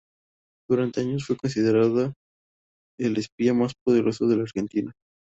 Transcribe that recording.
Durante años fue considerado el espía más poderoso de la Argentina.